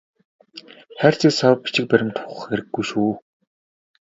Хайрцаг сав бичиг баримт ухах хэрэггүй шүү.